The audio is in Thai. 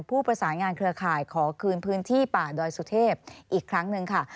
ผู้ประสานงานเครือข่ายขอคืนพื้นที่ป่าดอยสุเทพอีกครั้งหนึ่งค่ะ